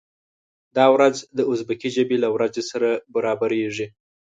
دا ورځ د ازبکي ژبې له ورځې سره برابریږي.